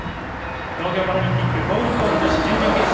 東京パラリンピックゴールボール女子、準々決勝